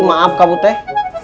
maaf kak buteh